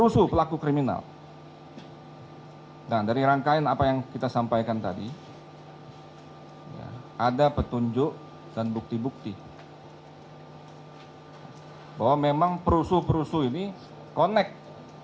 saya sampaikan tadi ada petunjuk dan bukti bukti bahwa memang perusuh perusuh ini connect